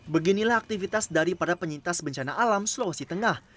beginilah aktivitas dari para penyintas bencana alam sulawesi tengah